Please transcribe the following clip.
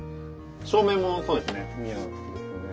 照明もそうですね。